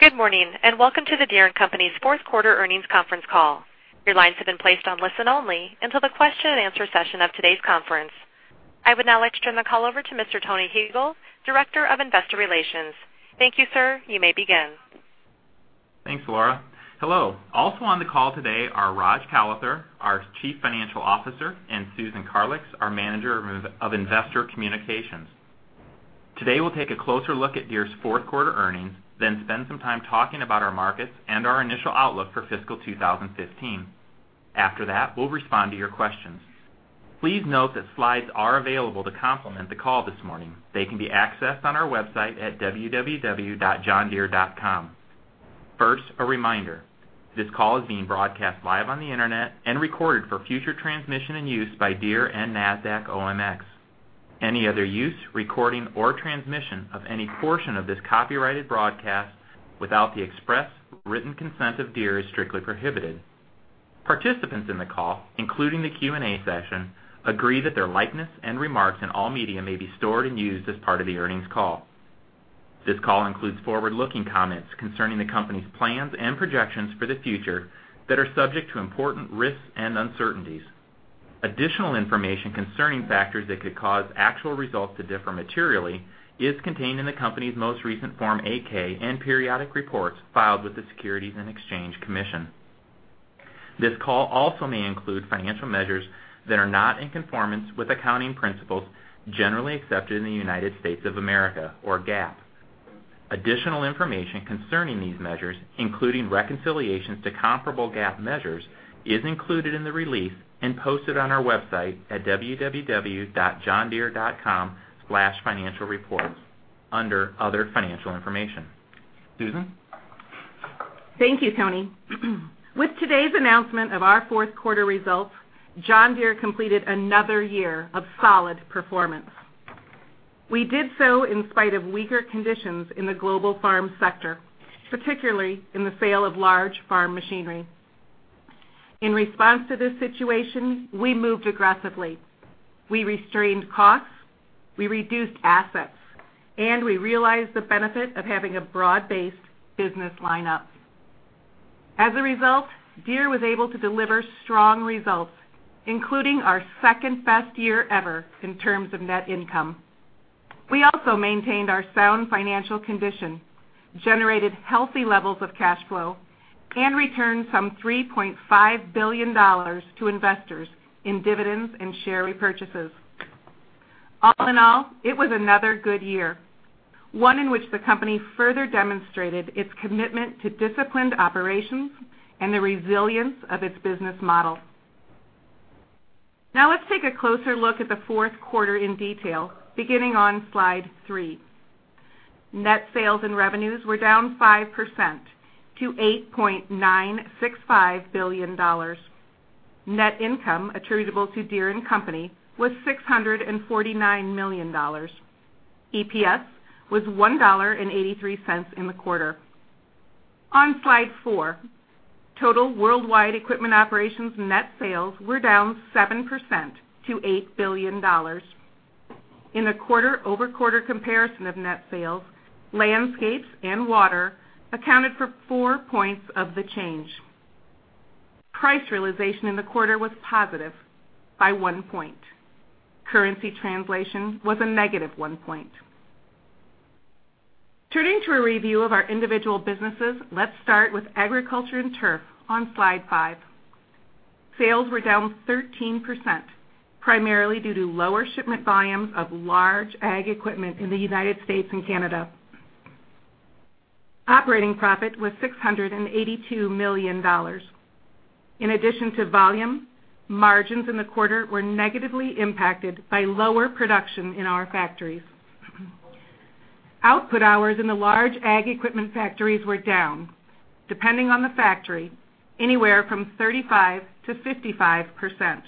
Good morning, and welcome to the Deere & Company's fourth quarter earnings conference call. Your lines have been placed on listen only until the question and answer session of today's conference. I would now like to turn the call over to Mr. Tony Huegel, Director of Investor Relations. Thank you, sir. You may begin. Thanks, Laura. Hello. Also on the call today are Rajesh Kalathur, our Chief Financial Officer, and Susan Karlix, our Manager of Investor Communications. Today, we'll take a closer look at Deere's fourth quarter earnings, then spend some time talking about our markets and our initial outlook for fiscal 2015. After that, we'll respond to your questions. Please note that slides are available to complement the call this morning. They can be accessed on our website at www.johndeere.com. First, a reminder, this call is being broadcast live on the internet and recorded for future transmission and use by Deere and NASDAQ OMX. Any other use, recording, or transmission of any portion of this copyrighted broadcast without the express written consent of Deere is strictly prohibited. Participants in the call, including the Q&A session, agree that their likeness and remarks in all media may be stored and used as part of the earnings call. This call includes forward-looking comments concerning the company's plans and projections for the future that are subject to important risks and uncertainties. Additional information concerning factors that could cause actual results to differ materially is contained in the company's most recent Form 8-K and periodic reports filed with the Securities and Exchange Commission. This call also may include financial measures that are not in conformance with accounting principles generally accepted in the United States of America, or GAAP. Additional information concerning these measures, including reconciliations to comparable GAAP measures, is included in the release and posted on our website at www.johndeere.com/financialreports under Other Financial Information. Susan? Thank you, Tony. With today's announcement of our fourth quarter results, John Deere completed another year of solid performance. We did so in spite of weaker conditions in the global farm sector, particularly in the sale of large farm machinery. In response to this situation, we moved aggressively. We restrained costs, we reduced assets, and we realized the benefit of having a broad-based business line-up. As a result, Deere was able to deliver strong results, including our second-best year ever in terms of net income. We also maintained our sound financial condition, generated healthy levels of cash flow, and returned some $3.5 billion to investors in dividends and share repurchases. All in all, it was another good year, one in which the company further demonstrated its commitment to disciplined operations and the resilience of its business model. Let's take a closer look at the fourth quarter in detail, beginning on slide three. Net sales and revenues were down 5% to $8.965 billion. Net income attributable to Deere & Company was $649 million. EPS was $1.83 in the quarter. On slide four, total worldwide equipment operations net sales were down 7% to $8 billion. In the quarter-over-quarter comparison of net sales, Landscapes and Water accounted for four points of the change. Price realization in the quarter was positive by one point. Currency translation was a negative one point. Turning to a review of our individual businesses, let's start with Agriculture & Turf on slide five. Sales were down 13%, primarily due to lower shipment volumes of large ag equipment in the U.S. and Canada. Operating profit was $682 million. In addition to volume, margins in the quarter were negatively impacted by lower production in our factories. Output hours in the large ag equipment factories were down, depending on the factory, anywhere from 35%-55%.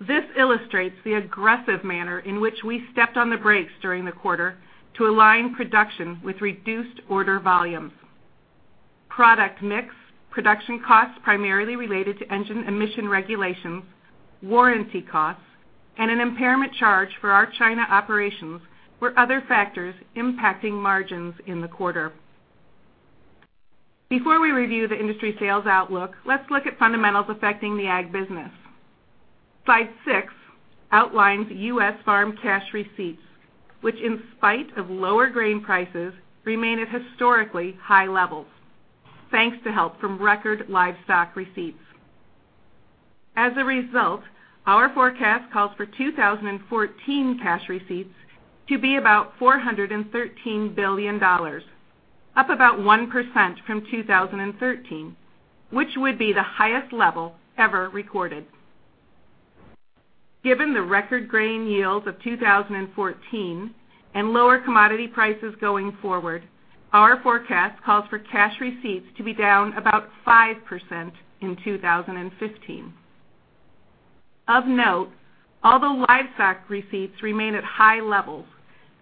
This illustrates the aggressive manner in which we stepped on the brakes during the quarter to align production with reduced order volumes. Product mix, production costs primarily related to engine emission regulations, warranty costs, and an impairment charge for our China operations were other factors impacting margins in the quarter. Before we review the industry sales outlook, let's look at fundamentals affecting the ag business. Slide six outlines U.S. farm cash receipts, which in spite of lower grain prices, remain at historically high levels, thanks to help from record livestock receipts. As a result, our forecast calls for 2014 cash receipts to be about $413 billion, up about 1% from 2013, which would be the highest level ever recorded. Given the record grain yields of 2014 and lower commodity prices going forward, our forecast calls for cash receipts to be down about 5% in 2015. Of note, although livestock receipts remain at high levels,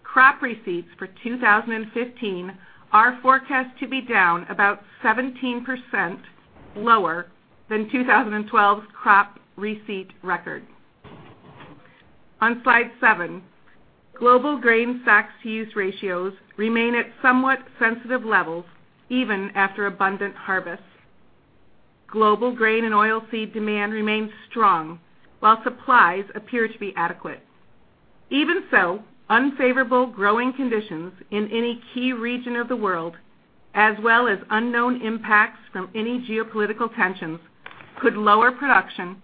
crop receipts for 2015 are forecast to be down about 17% lower than 2012's crop receipt record. On slide seven, global grain stocks-to-use ratios remain at somewhat sensitive levels, even after abundant harvests. Global grain and oilseed demand remains strong while supplies appear to be adequate. Unfavorable growing conditions in any key region of the world, as well as unknown impacts from any geopolitical tensions, could lower production,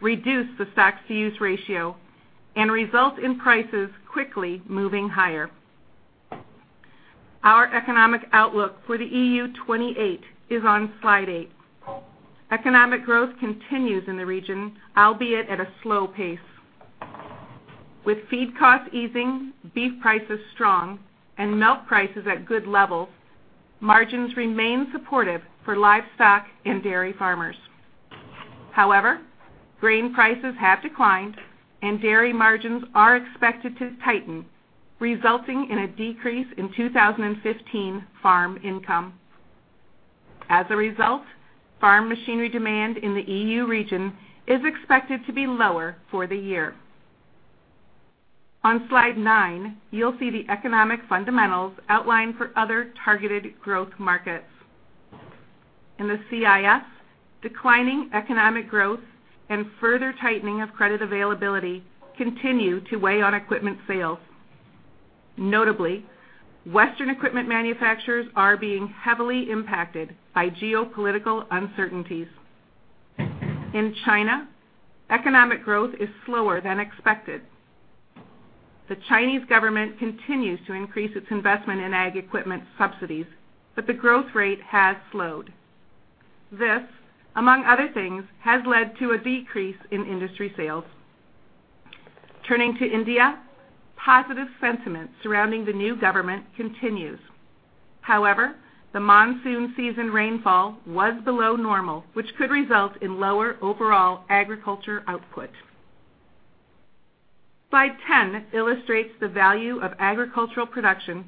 reduce the stocks-to-use ratio, and result in prices quickly moving higher. Our economic outlook for the EU 28 is on slide eight. Economic growth continues in the region, albeit at a slow pace. With feed costs easing, beef prices strong, and milk prices at good levels, margins remain supportive for livestock and dairy farmers. Grain prices have declined, and dairy margins are expected to tighten, resulting in a decrease in 2015 farm income. Farm machinery demand in the EU region is expected to be lower for the year. On slide nine, you'll see the economic fundamentals outlined for other targeted growth markets. In the CIS, declining economic growth and further tightening of credit availability continue to weigh on equipment sales. Western equipment manufacturers are being heavily impacted by geopolitical uncertainties. In China, economic growth is slower than expected. The Chinese government continues to increase its investment in ag equipment subsidies, but the growth rate has slowed. This, among other things, has led to a decrease in industry sales. Turning to India, positive sentiment surrounding the new government continues. However, the monsoon season rainfall was below normal, which could result in lower overall agriculture output. Slide 10 illustrates the value of agricultural production,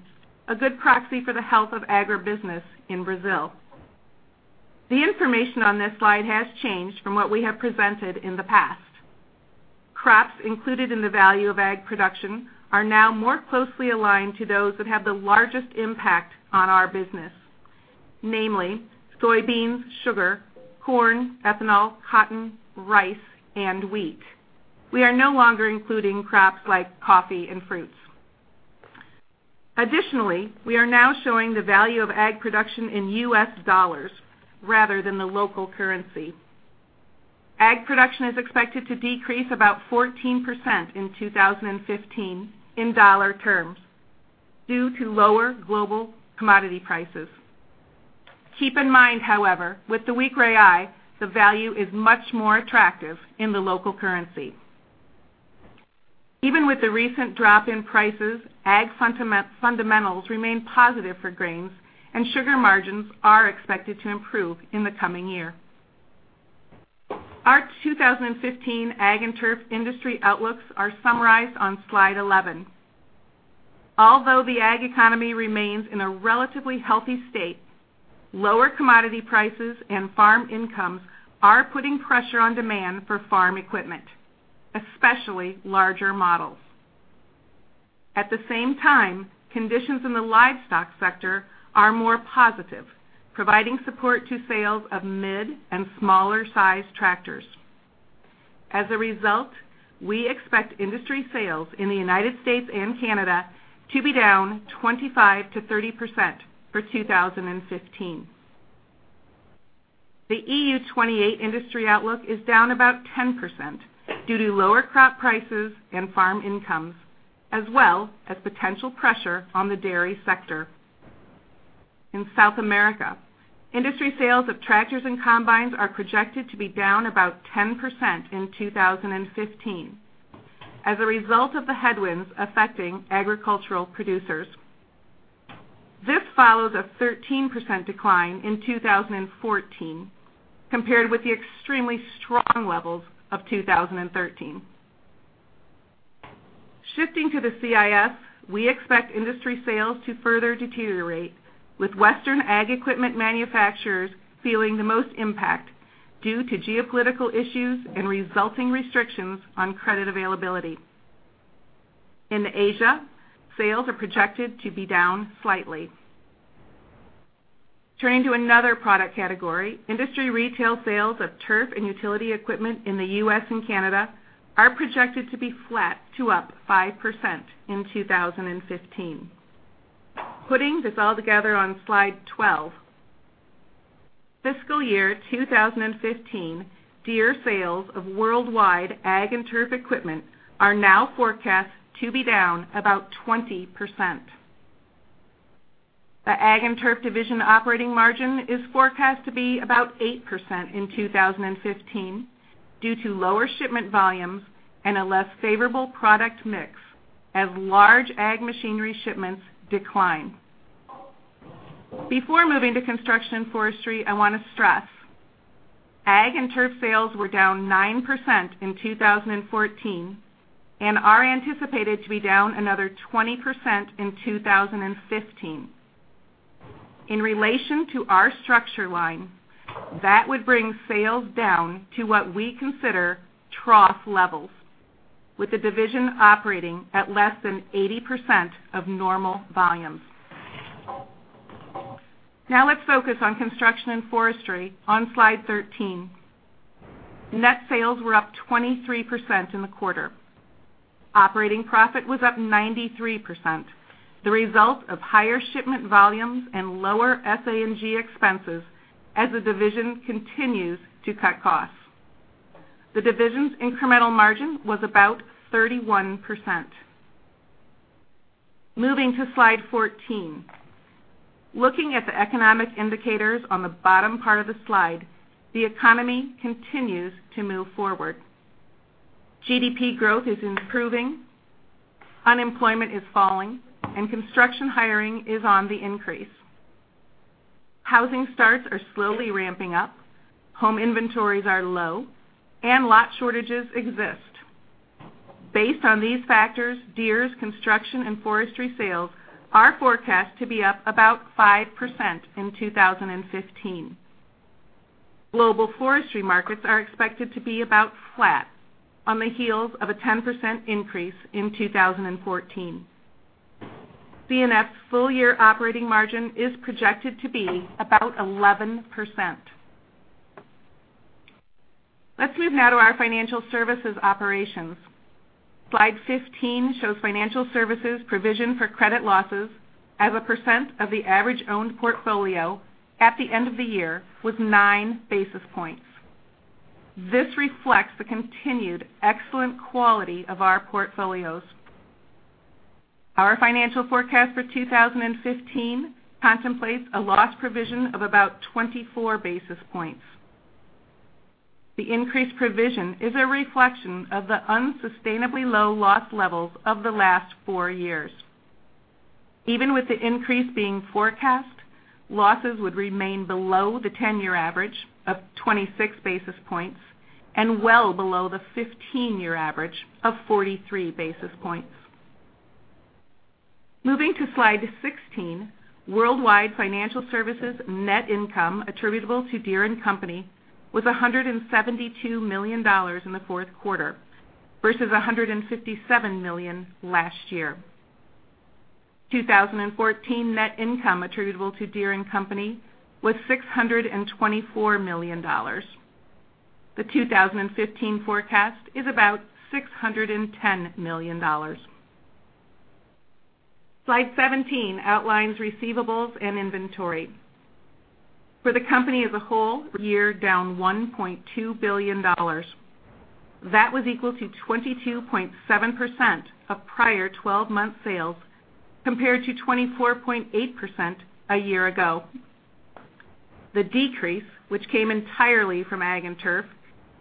a good proxy for the health of agribusiness in Brazil. The information on this slide has changed from what we have presented in the past. Crops included in the value of Ag production are now more closely aligned to those that have the largest impact on our business, namely soybeans, sugar, corn, ethanol, cotton, rice, and wheat. We are no longer including crops like coffee and fruits. Additionally, we are now showing the value of Ag production in U.S. dollars rather than the local currency. Ag production is expected to decrease about 14% in 2015 in dollar terms due to lower global commodity prices. Keep in mind, however, with the weak real, the value is much more attractive in the local currency. Even with the recent drop in prices, Ag fundamentals remain positive for grains, and sugar margins are expected to improve in the coming year. Our 2015 Ag and Turf industry outlooks are summarized on slide 11. Although the Ag economy remains in a relatively healthy state, lower commodity prices and farm incomes are putting pressure on demand for farm equipment, especially larger models. At the same time, conditions in the livestock sector are more positive, providing support to sales of mid and smaller-size tractors. As a result, we expect industry sales in the U.S. and Canada to be down 25%-30% for 2015. The EU 28 industry outlook is down about 10% due to lower crop prices and farm incomes, as well as potential pressure on the dairy sector. In South America, industry sales of tractors and combines are projected to be down about 10% in 2015 as a result of the headwinds affecting agricultural producers. This follows a 13% decline in 2014, compared with the extremely strong levels of 2013. Shifting to the CIS, we expect industry sales to further deteriorate, with Western Ag equipment manufacturers feeling the most impact due to geopolitical issues and resulting restrictions on credit availability. In Asia, sales are projected to be down slightly. Turning to another product category, industry retail sales of turf and utility equipment in the U.S. and Canada are projected to be flat to up 5% in 2015. Putting this all together on slide 12, fiscal year 2015 Deere sales of worldwide Ag and Turf equipment are now forecast to be down about 20%. The Ag and Turf division operating margin is forecast to be about 8% in 2015 due to lower shipment volumes and a less favorable product mix as large Ag machinery shipments decline. Before moving to Construction & Forestry, I want to stress, Ag and Turf sales were down 9% in 2014 and are anticipated to be down another 20% in 2015. In relation to our structure line, that would bring sales down to what we consider trough levels, with the division operating at less than 80% of normal volumes. Now let's focus on Construction & Forestry on Slide 13. Net sales were up 23% in the quarter. Operating profit was up 93%, the result of higher shipment volumes and lower SG&A expenses as the division continues to cut costs. The division's incremental margin was about 31%. Moving to Slide 14. Looking at the economic indicators on the bottom part of the slide, the economy continues to move forward. GDP growth is improving, unemployment is falling, and construction hiring is on the increase. Housing starts are slowly ramping up, home inventories are low, and lot shortages exist. Based on these factors, Deere's Construction & Forestry sales are forecast to be up about 5% in 2015. Global forestry markets are expected to be about flat on the heels of a 10% increase in 2014. C&F's full-year operating margin is projected to be about 11%. Let's move now to our Financial Services operations. Slide 15 shows Financial Services provision for credit losses as a percent of the average owned portfolio at the end of the year, with nine basis points. This reflects the continued excellent quality of our portfolios. Our financial forecast for 2015 contemplates a loss provision of about 24 basis points. The increased provision is a reflection of the unsustainably low loss levels of the last four years. Even with the increase being forecast, losses would remain below the 10-year average of 26 basis points and well below the 15-year average of 43 basis points. Moving to Slide 16, worldwide Financial Services net income attributable to Deere & Company was $172 million in the fourth quarter versus $157 million last year. 2014 net income attributable to Deere & Company was $624 million. The 2015 forecast is about $610 million. Slide 17 outlines receivables and inventory. For the company as a whole, year down $1.2 billion. That was equal to 22.7% of prior 12-month sales, compared to 24.8% a year ago. The decrease, which came entirely from Ag and Turf,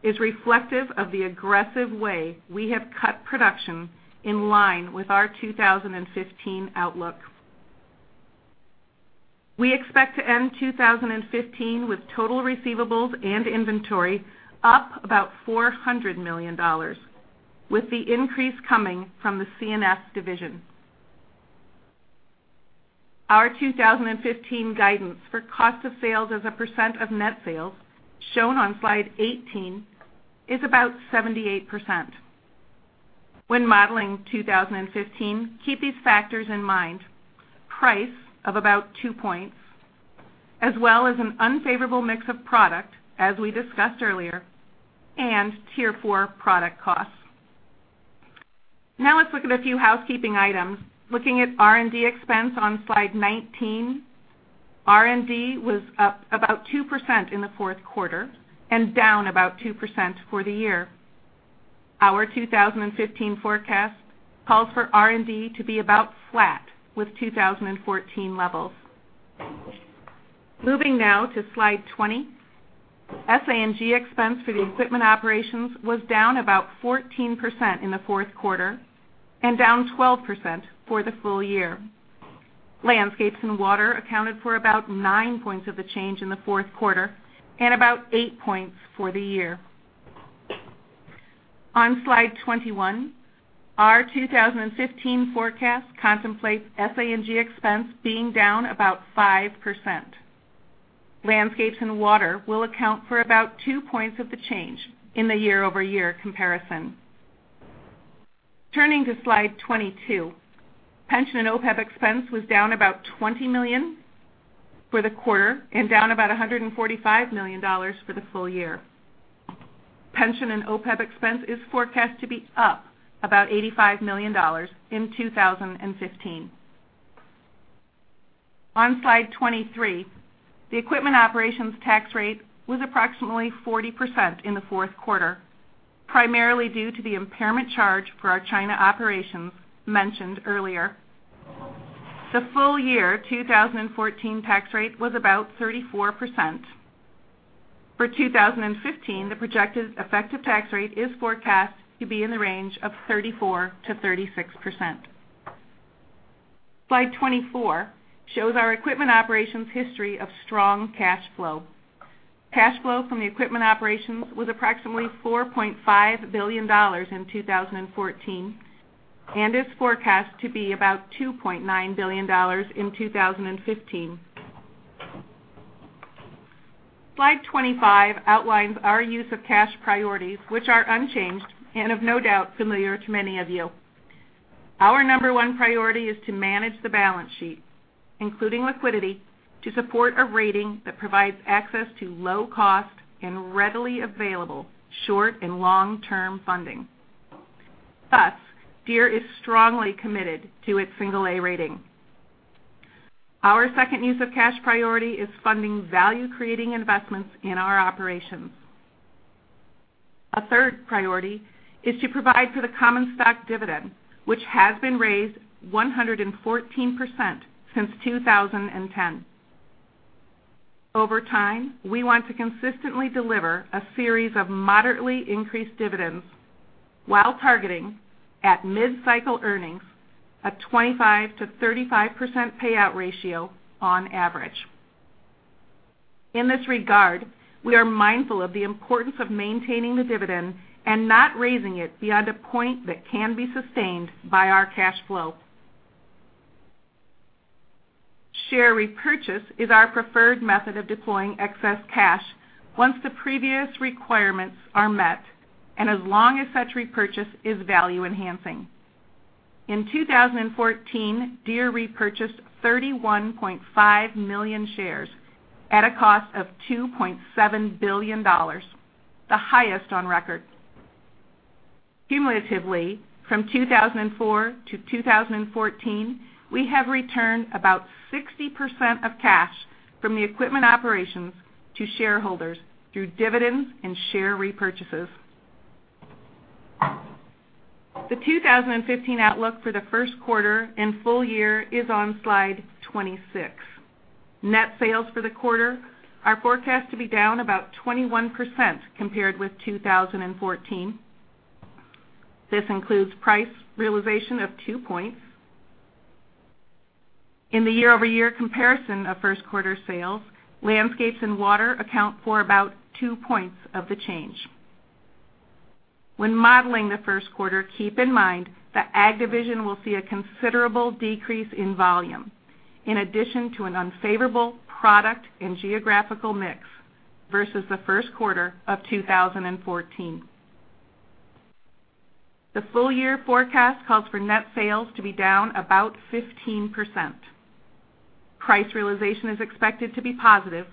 is reflective of the aggressive way we have cut production in line with our 2015 outlook. We expect to end 2015 with total receivables and inventory up about $400 million, with the increase coming from the C&F division. Our 2015 guidance for cost of sales as a percent of net sales, shown on Slide 18, is about 78%. When modeling 2015, keep these factors in mind. Price of about two points, as well as an unfavorable mix of product, as we discussed earlier, and Tier 4 product costs. Now let's look at a few housekeeping items. Looking at R&D expense on Slide 19, R&D was up about 2% in the fourth quarter and down about 2% for the year. Our 2015 forecast calls for R&D to be about flat with 2014 levels. Moving now to Slide 20. SA&G expense for the equipment operations was down about 14% in the fourth quarter and down 12% for the full year. Landscapes and Water accounted for about nine points of the change in the fourth quarter and about eight points for the year. On Slide 21, our 2015 forecast contemplates SA&G expense being down about 5%. Landscapes and Water will account for about two points of the change in the year-over-year comparison. Turning to Slide 22, pension and OPEB expense was down about $20 million for the quarter and down about $145 million for the full year. Pension and OPEB expense is forecast to be up about $85 million in 2015. On Slide 23, the Equipment Operations tax rate was approximately 40% in the fourth quarter, primarily due to the impairment charge for our China operations mentioned earlier. The full year 2014 tax rate was about 34%. For 2015, the projected effective tax rate is forecast to be in the range of 34%-36%. Slide 24 shows our equipment operations history of strong cash flow. Cash flow from the equipment operations was approximately $4.5 billion in 2014, and is forecast to be about $2.9 billion in 2015. Slide 25 outlines our use of cash priorities, which are unchanged and of no doubt familiar to many of you. Our number 1 priority is to manage the balance sheet, including liquidity, to support a rating that provides access to low cost and readily available short and long-term funding. Thus, Deere is strongly committed to its single A rating. Our second use of cash priority is funding value creating investments in our operations. A third priority is to provide for the common stock dividend, which has been raised 114% since 2010. Over time, we want to consistently deliver a series of moderately increased dividends while targeting, at mid-cycle earnings, a 25%-35% payout ratio on average. In this regard, we are mindful of the importance of maintaining the dividend and not raising it beyond a point that can be sustained by our cash flow. Share repurchase is our preferred method of deploying excess cash once the previous requirements are met and as long as such repurchase is value enhancing. In 2014, Deere repurchased 31.5 million shares at a cost of $2.7 billion, the highest on record. Cumulatively, from 2004 to 2014, we have returned about 60% of cash from the equipment operations to shareholders through dividends and share repurchases. The 2015 outlook for the first quarter and full year is on slide 26. Net sales for the quarter are forecast to be down about 21% compared with 2014. This includes price realization of two points. In the year-over-year comparison of first quarter sales, Landscapes and Water account for about two points of the change. When modeling the first quarter, keep in mind the Ag division will see a considerable decrease in volume, in addition to an unfavorable product and geographical mix versus the first quarter of 2014. The full year forecast calls for net sales to be down about 15%. Price realization is expected to be positive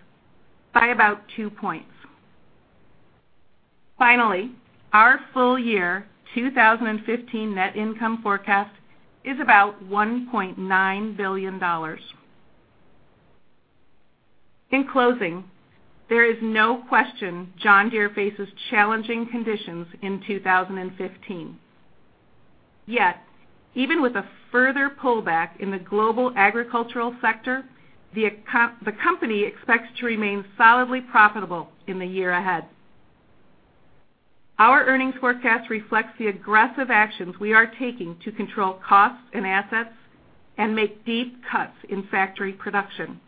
by about two points. Finally, our full year 2015 net income forecast is about $1.9 billion. In closing, there is no question John Deere faces challenging conditions in 2015. Yet, even with a further pullback in the global agricultural sector, the company expects to remain solidly profitable in the year ahead. Our earnings forecast reflects the aggressive actions we are taking to control costs and assets and make deep cuts in factory production.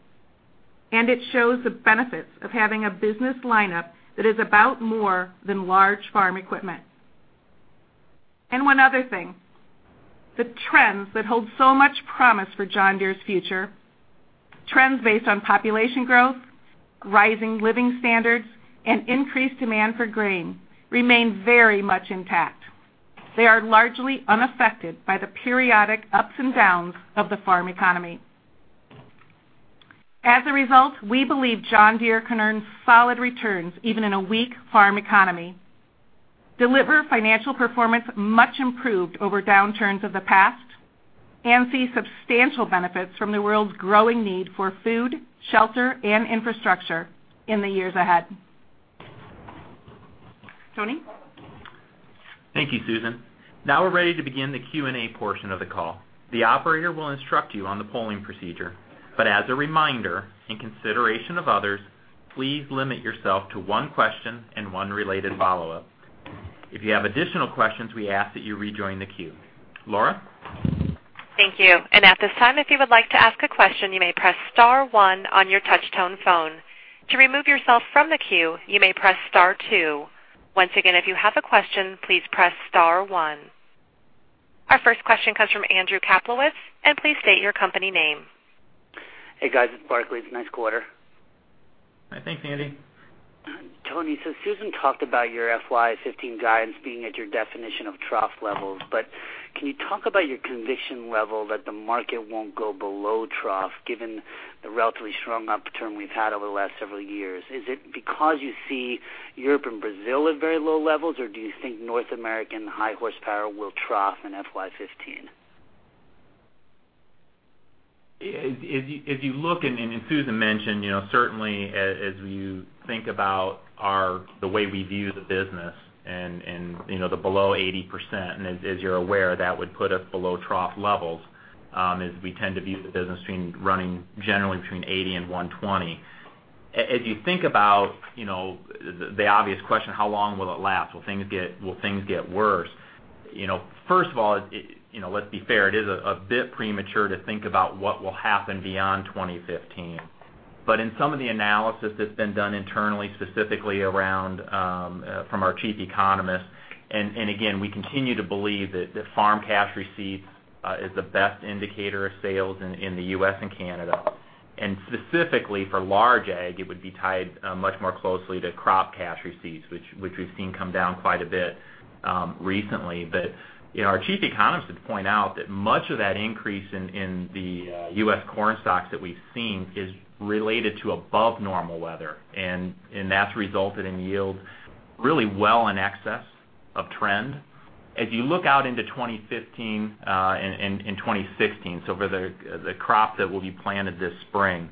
It shows the benefits of having a business lineup that is about more than large farm equipment. One other thing, the trends that hold so much promise for John Deere's future, trends based on population growth, rising living standards, and increased demand for grain, remain very much intact. They are largely unaffected by the periodic ups and downs of the farm economy. As a result, we believe John Deere can earn solid returns even in a weak farm economy, deliver financial performance much improved over downturns of the past, and see substantial benefits from the world's growing need for food, shelter, and infrastructure in the years ahead. Tony? Thank you, Susan. Now we're ready to begin the Q&A portion of the call. The operator will instruct you on the polling procedure. As a reminder, in consideration of others, please limit yourself to one question and one related follow-up. If you have additional questions, we ask that you rejoin the queue. Laura? Thank you. At this time, if you would like to ask a question, you may press star one on your touch tone phone. To remove yourself from the queue, you may press star two. Once again, if you have a question, please press star one. Our first question comes from Andrew Kaplowitz. Please state your company name. Hey, guys, it's Barclays. Nice quarter. Thanks, Andy. Tony, Susan talked about your FY 2015 guidance being at your definition of trough levels, but can you talk about your conviction level that the market won't go below trough given the relatively strong upturn we've had over the last several years? Is it because you see Europe and Brazil at very low levels, or do you think North American high horsepower will trough in FY 2015? If you look, and Susan mentioned, certainly as you think about the way we view the business and the below 80%, as you're aware, that would put us below trough levels, as we tend to view the business between running generally between 80 and 120. As you think about the obvious question, how long will it last? Will things get worse? First of all, let's be fair, it is a bit premature to think about what will happen beyond 2015. In some of the analysis that's been done internally, specifically around from our chief economist, again, we continue to believe that farm cash receipts is the best indicator of sales in the U.S. and Canada. Specifically for large ag, it would be tied much more closely to crop cash receipts, which we've seen come down quite a bit recently. Our chief economist did point out that much of that increase in the U.S. corn stocks that we've seen is related to above normal weather, and that's resulted in yields really well in excess of trend. As you look out into 2015 and 2016, so for the crop that will be planted this spring.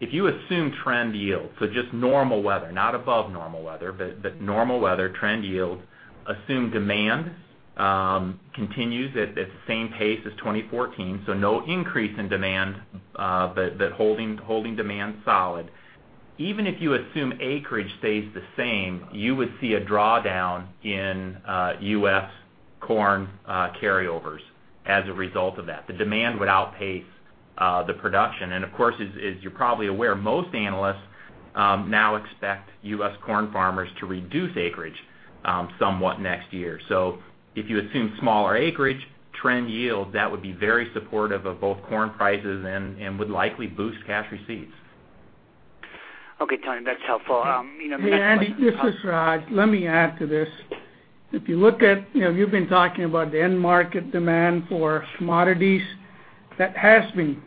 If you assume trend yields, so just normal weather, not above normal weather, but normal weather, trend yields. Assume demand continues at the same pace as 2014, so no increase in demand, but holding demand solid. Even if you assume acreage stays the same, you would see a drawdown in U.S. corn carryovers as a result of that. The demand would outpace the production. Of course, as you're probably aware, most analysts now expect U.S. corn farmers to reduce acreage somewhat next year. If you assume smaller acreage, trend yield, that would be very supportive of both corn prices and would likely boost cash receipts. Okay, Tony, that's helpful. Hey, Andy, this is Raj. Let me add to this. You've been talking about the end market demand for commodities. That has been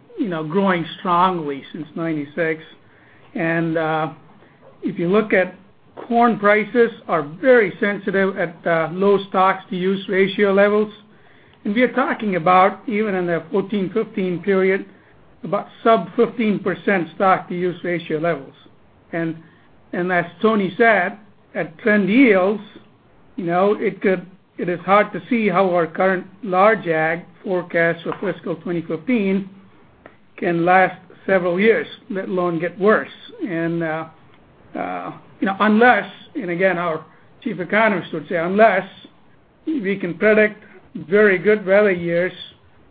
growing strongly since 1996. If you look at corn prices are very sensitive at low stocks to use ratio levels. We are talking about, even in the 2014, 2015 period, about sub 15% stock to use ratio levels. As Tony said, at trend yields, it is hard to see how our current large ag forecast for fiscal 2015 can last several years, let alone get worse. Again, our chief economist would say, unless we can predict very good weather years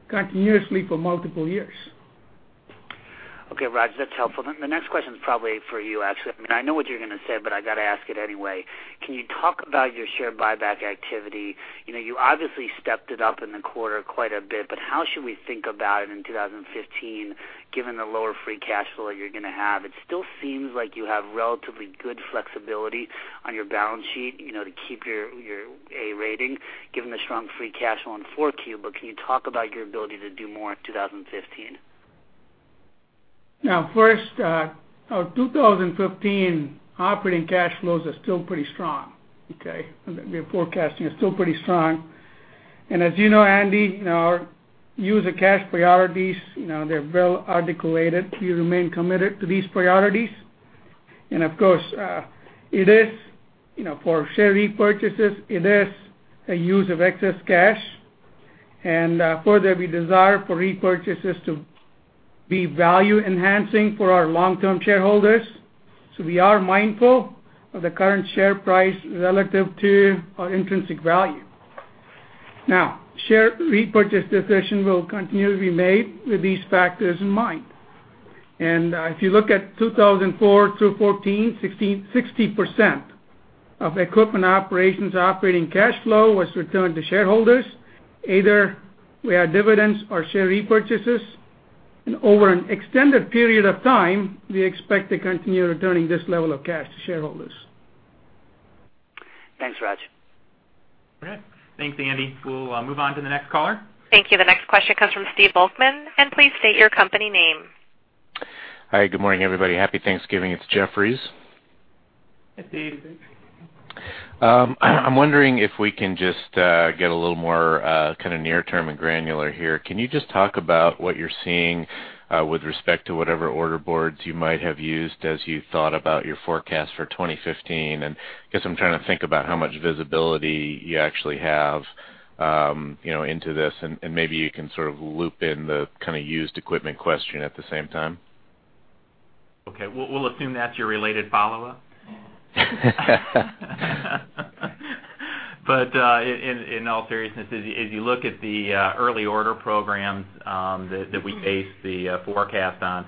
continuously for multiple years. Okay, Raj, that's helpful. The next question is probably for you, actually. I know what you're going to say, but I got to ask it anyway. Can you talk about your share buyback activity? You obviously stepped it up in the quarter quite a bit, but how should we think about it in 2015, given the lower free cash flow you're going to have? It still seems like you have relatively good flexibility on your balance sheet, to keep your A rating, given the strong free cash flow in 4Q. Can you talk about your ability to do more in 2015? Now, first our 2015 operating cash flows are still pretty strong. Okay? We are forecasting still pretty strong. As you know, Andy, our use of cash priorities, they're well articulated. We remain committed to these priorities. Of course, for share repurchases, it is a use of excess cash. Further, we desire for repurchases to be value enhancing for our long-term shareholders. We are mindful of the current share price relative to our intrinsic value. Now, share repurchase decision will continue to be made with these factors in mind. If you look at 2004 through 2014, 60% of Equipment Operations' operating cash flow was returned to shareholders, either via dividends or share repurchases. Over an extended period of time, we expect to continue returning this level of cash to shareholders. Thanks, Raj. Okay. Thanks, Andy. We'll move on to the next caller. Thank you. The next question comes from Stephen Volkmann, please state your company name. Hi, good morning, everybody. Happy Thanksgiving. It's Jefferies. Hey, Steve. I'm wondering if we can just get a little more near term and granular here. Can you just talk about what you're seeing with respect to whatever order boards you might have used as you thought about your forecast for 2015? I guess I'm trying to think about how much visibility you actually have into this, and maybe you can sort of loop in the used equipment question at the same time. Okay. We'll assume that's your related follow-up. In all seriousness, as you look at the early order programs that we base the forecast on,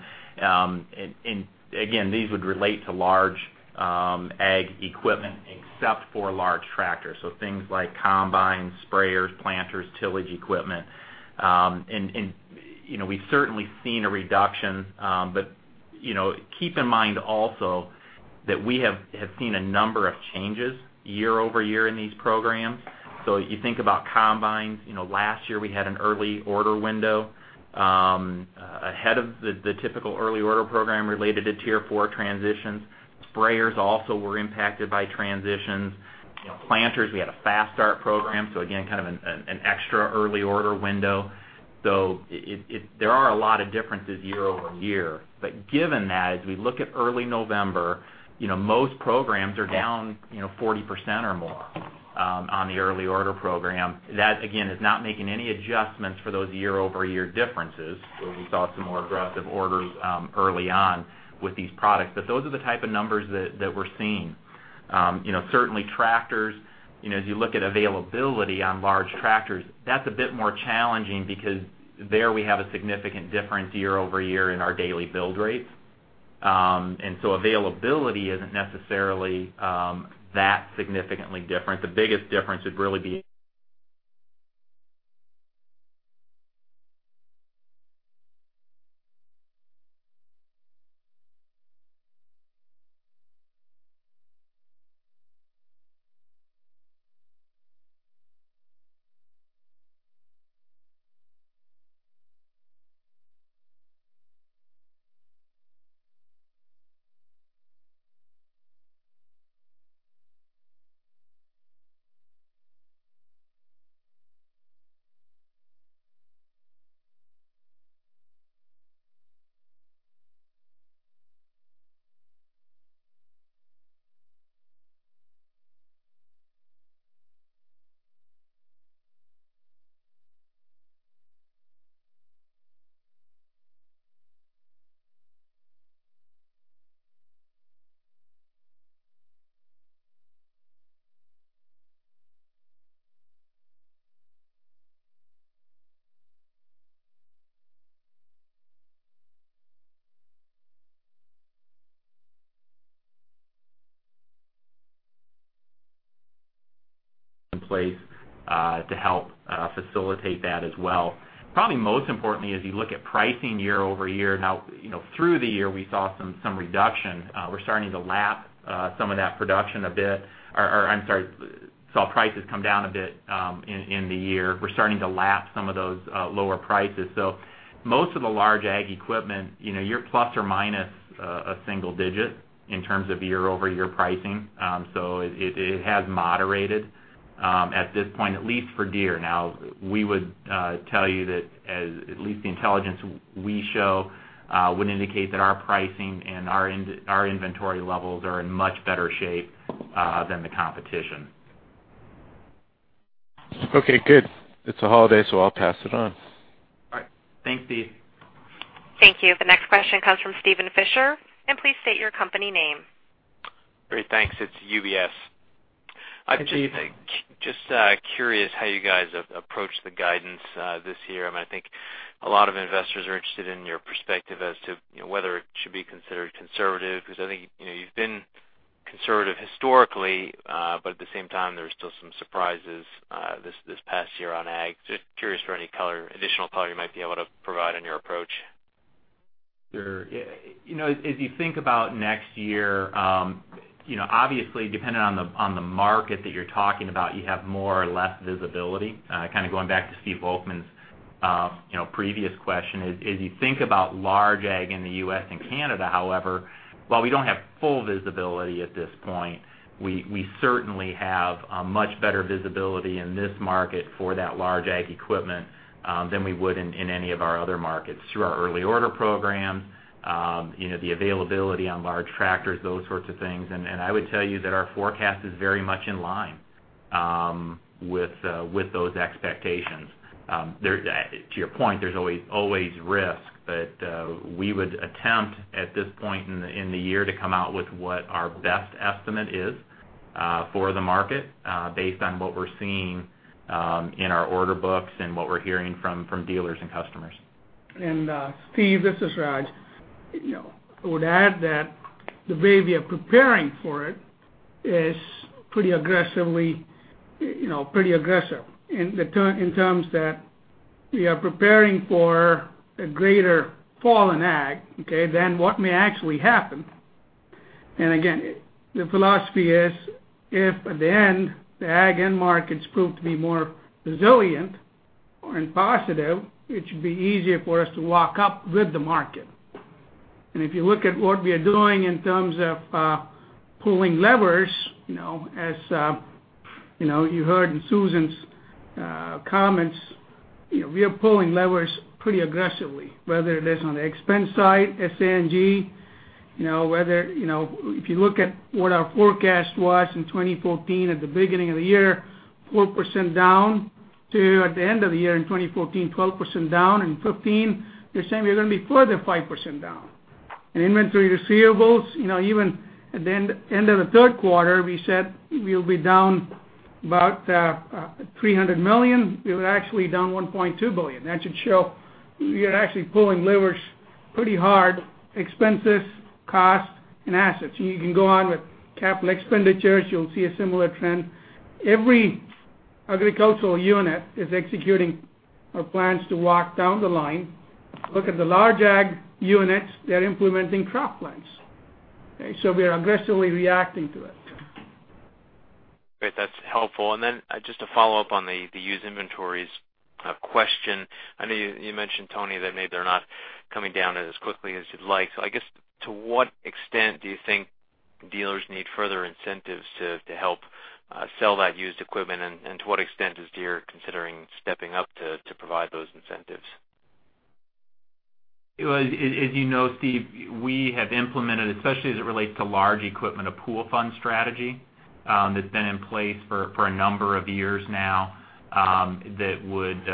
and again, these would relate to large ag equipment except for large tractors. Things like combines, sprayers, planters, tillage equipment. We've certainly seen a reduction, but keep in mind also that we have seen a number of changes year-over-year in these programs. If you think about combines, last year we had an early order window ahead of the typical early order program related to Tier 4 transitions. Sprayers also were impacted by transitions. Planters, we had a fast start program, again, kind of an extra early order window. There are a lot of differences year-over-year. Given that, as we look at early November, most programs are down 40% or more on the early order program. That, again, is not making any adjustments for those year-over-year differences where we saw some more aggressive orders early on with these products. Those are the type of numbers that we're seeing. Certainly tractors, as you look at availability on large tractors, that's a bit more challenging because there we have a significant difference year-over-year in our daily build rates. Availability isn't necessarily that significantly different. The biggest difference would really be in place to help facilitate that as well. Probably most importantly, as you look at pricing year-over-year, now through the year, we saw some reduction. We're starting to lap some of that production a bit. I'm sorry, saw prices come down a bit in the year. We're starting to lap some of those lower prices. Most of the large ag equipment, you're plus or minus a single digit in terms of year-over-year pricing. It has moderated at this point, at least for Deere. We would tell you that at least the intelligence we show would indicate that our pricing and our inventory levels are in much better shape than the competition. Okay, good. It's a holiday, I'll pass it on. All right. Thanks, Steve. Thank you. The next question comes from Steven Fisher, please state your company name. Great, thanks. It's UBS. Good evening. Just curious how you guys approach the guidance this year. I think a lot of investors are interested in your perspective as to whether it should be considered conservative, because I think you've been conservative historically, but at the same time, there's still some surprises this past year on ag. Just curious for any additional color you might be able to provide on your approach. As you think about next year, obviously depending on the market that you're talking about, you have more or less visibility. Kind of going back to Stephen Volkmann's previous question, as you think about large ag in the U.S. and Canada, however, while we don't have full visibility at this point, we certainly have a much better visibility in this market for that large ag equipment than we would in any of our other markets through our early order programs, the availability on large tractors, those sorts of things. I would tell you that our forecast is very much in line with those expectations. To your point, there's always risk. We would attempt at this point in the year to come out with what our best estimate is for the market based on what we're seeing in our order books and what we're hearing from dealers and customers. Steve, this is Raj. I would add that the way we are preparing for it is pretty aggressive in terms that we are preparing for a greater fall in ag, okay, than what may actually happen. Again, the philosophy is if at the end, the ag end markets prove to be more resilient or positive, it should be easier for us to walk up with the market. If you look at what we are doing in terms of pulling levers, as you heard in Susan's comments, we are pulling levers pretty aggressively, whether it is on the expense side, SG&A. If you look at what our forecast was in 2014 at the beginning of the year, 4% down to at the end of the year in 2014, 12% down. In 2015, they're saying we're going to be further 5% down. In inventory receivables, even at the end of the third quarter, we said we'll be down about $300 million. We were actually down $1.2 billion. That should show we are actually pulling levers pretty hard, expenses, costs, and assets. You can go on with capital expenditures, you'll see a similar trend. Every agricultural unit is executing our plans to walk down the line. Look at the large ag units, they're implementing crop plans. Okay? We are aggressively reacting to it. Great. That's helpful. Then just to follow up on the used inventories question, I know you mentioned, Tony, that maybe they're not coming down as quickly as you'd like. I guess to what extent do you think dealers need further incentives to help sell that used equipment? To what extent is Deere considering stepping up to provide those incentives? As you know, Steve, we have implemented, especially as it relates to large equipment, a pool fund strategy that's been in place for a number of years now That would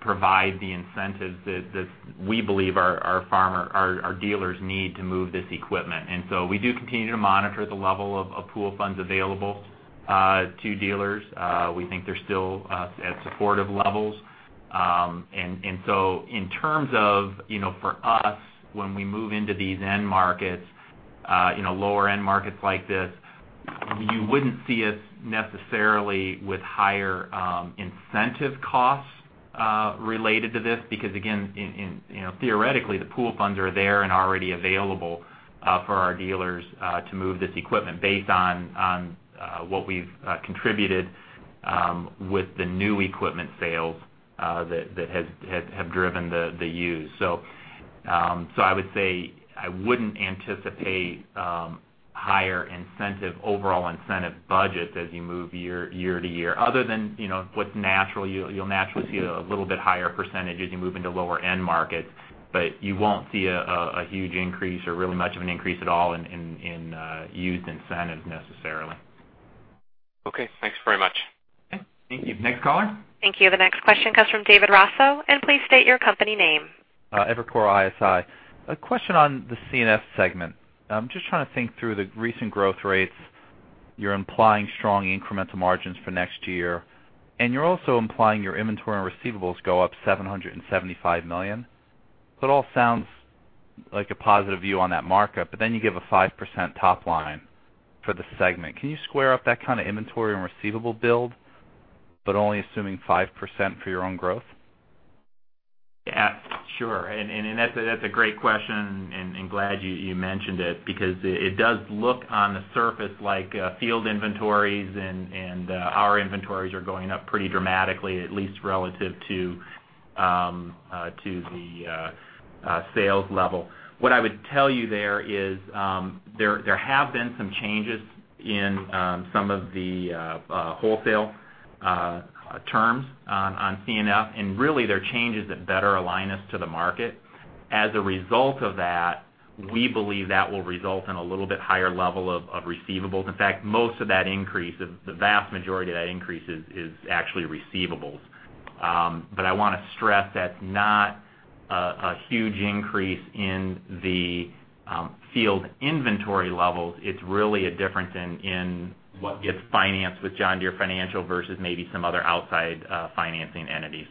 provide the incentives that we believe our dealers need to move this equipment. We do continue to monitor the level of pool funds available to dealers. We think they're still at supportive levels. In terms of for us, when we move into these end markets, lower-end markets like this, you wouldn't see us necessarily with higher incentive costs related to this because, again, theoretically, the pool funds are there and already available for our dealers to move this equipment based on what we've contributed with the new equipment sales that have driven the used. I would say I wouldn't anticipate higher incentive, overall incentive budgets as you move year-to-year, other than what's natural. You'll naturally see a little bit higher % as you move into lower-end markets, but you won't see a huge increase or really much of an increase at all in used incentives necessarily. Okay, thanks very much. Okay, thank you. Next caller. Thank you. The next question comes from David Raso, and please state your company name. Evercore ISI. A question on the C&F segment. I'm just trying to think through the recent growth rates. You're implying strong incremental margins for next year, and you're also implying your inventory and receivables go up $775 million. It all sounds like a positive view on that markup, then you give a 5% top line for the segment. Can you square up that kind of inventory and receivable build, only assuming 5% for your own growth? Yeah, sure. That's a great question and glad you mentioned it because it does look on the surface like field inventories and our inventories are going up pretty dramatically, at least relative to the sales level. What I would tell you there is there have been some changes in some of the wholesale terms on C&F, and really they're changes that better align us to the market. As a result of that, we believe that will result in a little bit higher level of receivables. In fact, most of that increase, the vast majority of that increase is actually receivables. I want to stress that's not a huge increase in the field inventory levels. It's really a difference in what gets financed with John Deere Financial versus maybe some other outside financing entities.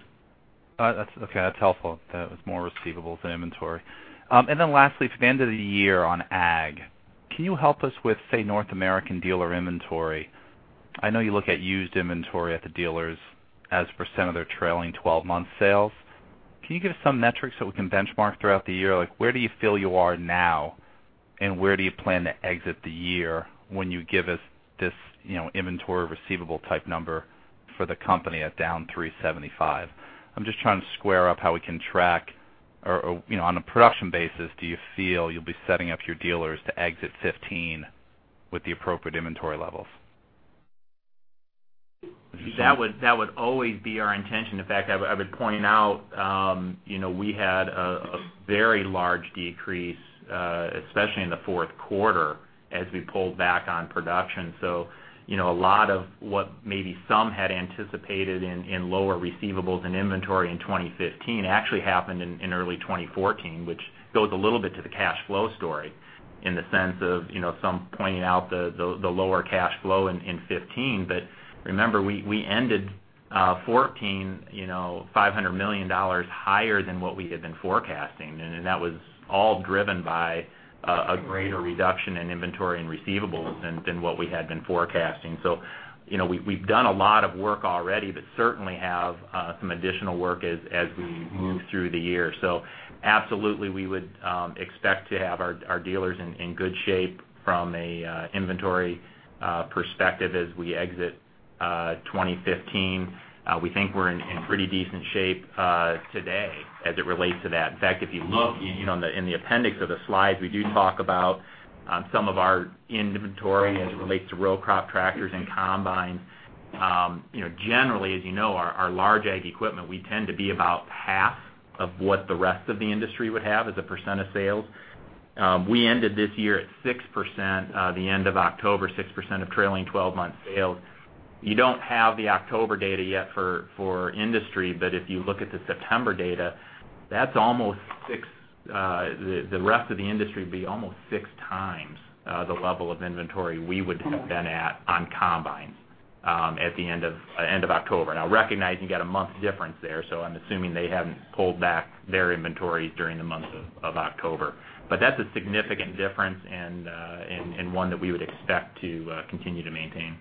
Okay, that's helpful. That was more receivables than inventory. Then lastly, for the end of the year on ag, can you help us with, say, North American dealer inventory? I know you look at used inventory at the dealers as a percent of their trailing 12-month sales. Can you give us some metrics that we can benchmark throughout the year? Like, where do you feel you are now, and where do you plan to exit the year when you give us this inventory receivable type number for the company at down $375 million? I'm just trying to square up how we can track or on a production basis, do you feel you'll be setting up your dealers to exit 2015 with the appropriate inventory levels? That would always be our intention. In fact, I would point out we had a very large decrease, especially in the fourth quarter, as we pulled back on production. A lot of what maybe some had anticipated in lower receivables and inventory in 2015 actually happened in early 2014, which goes a little bit to the cash flow story in the sense of some pointing out the lower cash flow in 2015. Remember, we ended 2014 $500 million higher than what we had been forecasting. That was all driven by a greater reduction in inventory and receivables than what we had been forecasting. We've done a lot of work already, but certainly have some additional work as we move through the year. Absolutely, we would expect to have our dealers in good shape from an inventory perspective as we exit 2015. We think we're in pretty decent shape today as it relates to that. In fact, if you look in the appendix of the slides, we do talk about some of our inventory as it relates to row crop tractors and combines. Generally, as you know, our large ag equipment, we tend to be about half of what the rest of the industry would have as a % of sales. We ended this year at 6%, the end of October, 6% of trailing 12-month sales. You don't have the October data yet for industry, but if you look at the September data, the rest of the industry would be almost six times the level of inventory we would have been at on combines at the end of October. Recognizing you've got a month difference there, so I'm assuming they haven't pulled back their inventories during the month of October. That's a significant difference and one that we would expect to continue to maintain.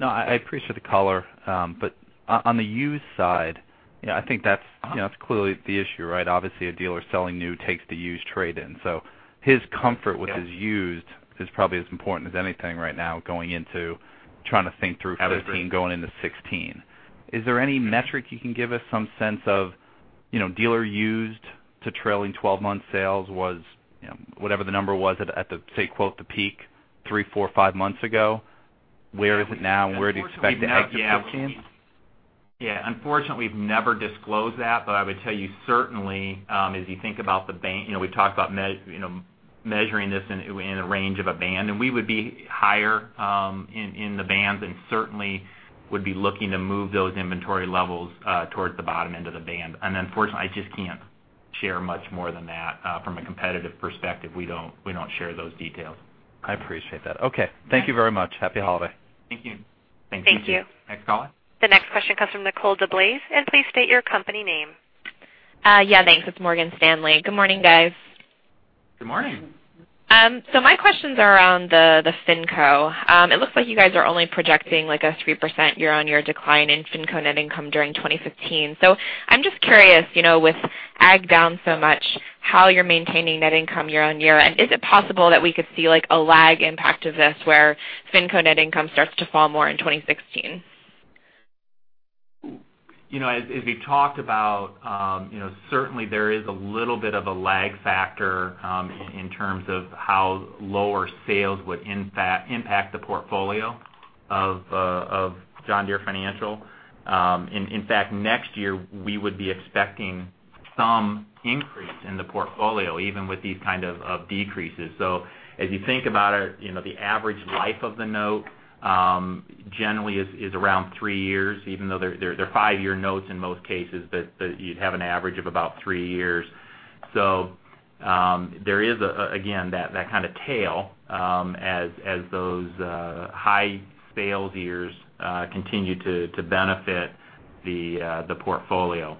No, I appreciate the color. On the used side, I think that's clearly the issue, right? Obviously, a dealer selling new takes the used trade-in. His comfort with his used is probably as important as anything right now going into trying to think through 2015 going into 2016. Is there any metric you can give us some sense of dealer used to trailing 12-month sales was, whatever the number was at the, say, quote, "the peak" three, four, five months ago. Where is it now, and where do you expect it at through 2015? Yeah, unfortunately, we've never disclosed that. I would tell you certainly, as you think about the bank, we've talked about measuring this in a range of a band, and we would be higher in the bands and certainly would be looking to move those inventory levels towards the bottom end of the band. Unfortunately, I just can't share much more than that from a competitive perspective. We don't share those details. I appreciate that. Okay. Thank you very much. Happy holiday. Thank you. Thank you. Thank you. Next caller. The next question comes from Nicole DeBlase. Please state your company name. Yeah, thanks. It's Morgan Stanley. Good morning, guys. Good morning. My questions are around the FinCo. It looks like you guys are only projecting a 3% year-on-year decline in FinCo net income during 2015. I'm just curious, with ag down so much, how you're maintaining net income year-on-year. Is it possible that we could see a lag impact of this, where FinCo net income starts to fall more in 2016? As we've talked about, certainly there is a little bit of a lag factor in terms of how lower sales would impact the portfolio of John Deere Financial. In fact, next year, we would be expecting some increase in the portfolio, even with these kind of decreases. As you think about it, the average life of the note generally is around three years, even though they're five-year notes in most cases, but you'd have an average of about three years. There is, again, that kind of tail as those high sales years continue to benefit the portfolio.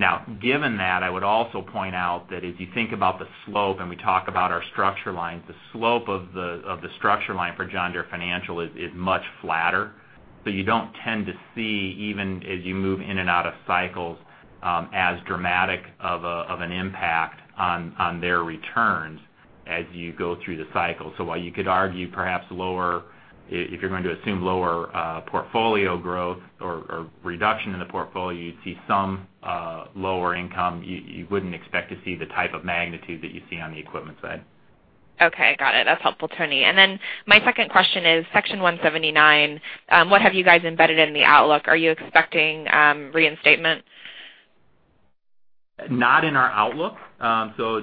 Now, given that, I would also point out that if you think about the slope and we talk about our structure lines, the slope of the structure line for John Deere Financial is much flatter. You don't tend to see, even as you move in and out of cycles, as dramatic of an impact on their returns as you go through the cycle. While you could argue perhaps if you're going to assume lower portfolio growth or reduction in the portfolio, you'd see some lower income, you wouldn't expect to see the type of magnitude that you see on the equipment side. Okay, got it. That's helpful, Tony. My second question is Section 179. What have you guys embedded in the outlook? Are you expecting reinstatement? Not in our outlook.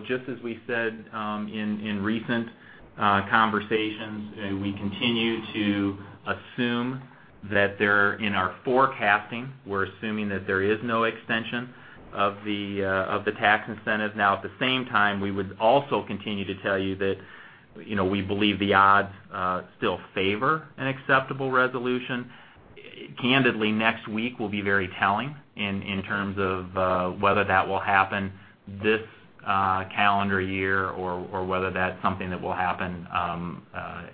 Just as we said in recent conversations, we continue to assume that there, in our forecasting, we're assuming that there is no extension of the tax incentive. At the same time, we would also continue to tell you that we believe the odds still favor an acceptable resolution. Candidly, next week will be very telling in terms of whether that will happen this calendar year or whether that's something that will happen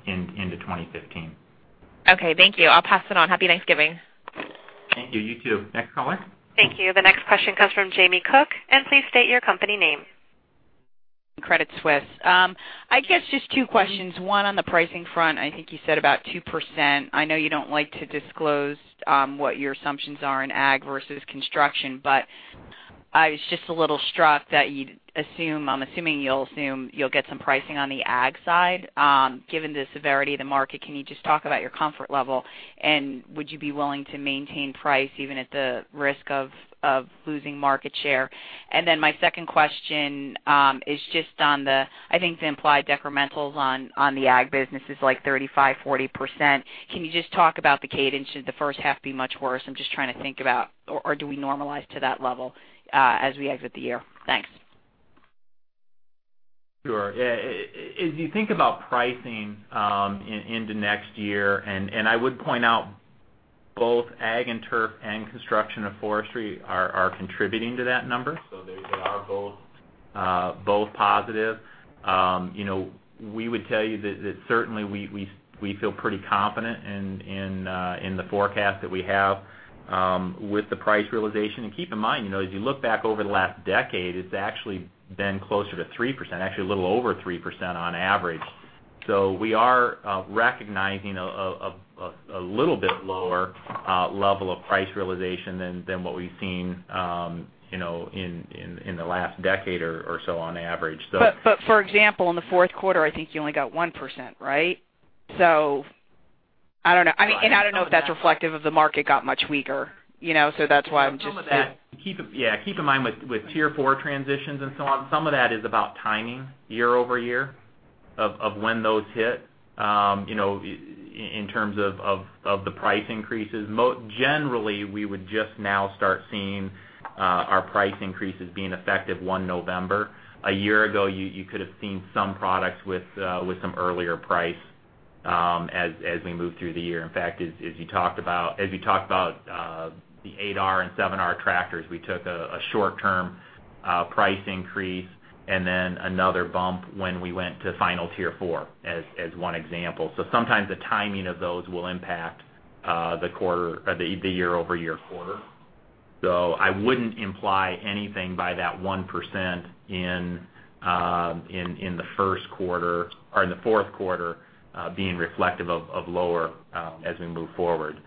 into 2015. Okay, thank you. I'll pass it on. Happy Thanksgiving. Thank you. You too. Next caller. Thank you. The next question comes from Jamie Cook. Please state your company name. Credit Suisse. I guess just two questions. One on the pricing front, I think you said about 2%. I know you don't like to disclose what your assumptions are in ag versus construction, but I was just a little struck that I'm assuming you'll assume you'll get some pricing on the ag side. Given the severity of the market, can you just talk about your comfort level, and would you be willing to maintain price even at the risk of losing market share? My second question is just on the, I think the implied decrementals on the ag business is like 35%, 40%. Can you just talk about the cadence? Should the first half be much worse? I'm just trying to think about or do we normalize to that level as we exit the year? Thanks. Sure. As you think about pricing into next year, I would point out both ag and turf and construction and forestry are contributing to that number. They are both positive. We would tell you that certainly we feel pretty confident in the forecast that we have with the price realization. Keep in mind, as you look back over the last decade, it's actually been closer to 3%, actually a little over 3% on average. We are recognizing a little bit lower level of price realization than what we've seen in the last decade or so on average. For example, in the fourth quarter, I think you only got 1%, right? I don't know. I don't know if that's reflective of the market got much weaker. Yeah, keep in mind with Tier 4 transitions and so on, some of that is about timing year-over-year of when those hit in terms of the price increases. Generally, we would just now start seeing our price increases being effective 1 November. A year ago, you could have seen some products with some earlier price as we moved through the year. In fact, as you talked about the 8R and 7R tractors, we took a short-term price increase and then another bump when we went to final Tier 4 as one example. Sometimes the timing of those will impact the year-over-year quarter. I wouldn't imply anything by that 1% in the fourth quarter being reflective of lower as we move forward.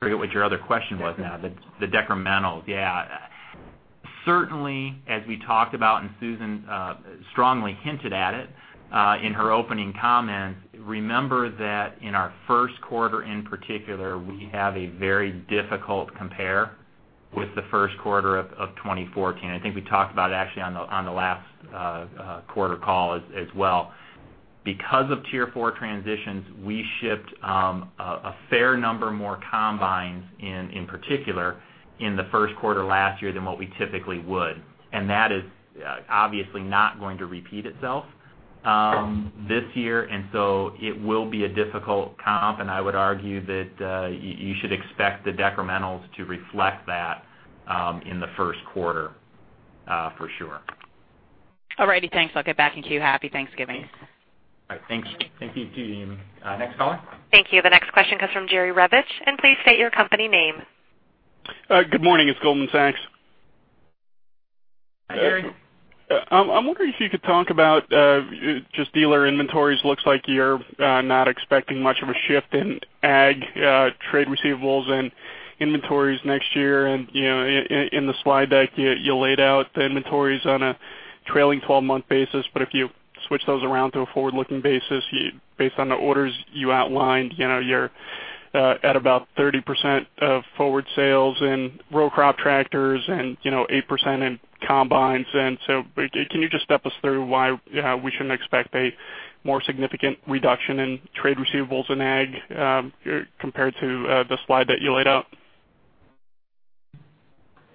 Forget what your other question was now. Decremental. The decrementals. Yeah. Certainly, as we talked about, Susan strongly hinted at it in her opening comments, remember that in our first quarter in particular, we have a very difficult compare with the first quarter of 2014. I think we talked about it actually on the last quarter call as well. Because of Tier 4 transitions, we shipped a fair number more Combines in particular in the first quarter last year than what we typically would. That is obviously not going to repeat itself this year, and so it will be a difficult comp, and I would argue that you should expect the decrementals to reflect that in the first quarter for sure. All righty. Thanks. I'll get back in queue. Happy Thanksgiving. All right. Thanks. Thank you, Nadine. Next caller. Thank you. The next question comes from Jerry Revich. Please state your company name. Good morning. It's Goldman Sachs. Hi, Jerry. I'm wondering if you could talk about just dealer inventories. Looks like you're not expecting much of a shift in ag trade receivables and inventories next year. In the slide deck, you laid out the inventories on a trailing 12-month basis. If you switch those around to a forward-looking basis, based on the orders you outlined, you're at about 30% of forward sales in row crop tractors and 8% in combines. Can you just step us through why we shouldn't expect a more significant reduction in trade receivables in ag compared to the slide that you laid out?